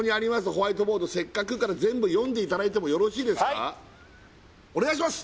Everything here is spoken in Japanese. ホワイトボード「せっかく」から全部読んでいただいてもよろしいですかお願いします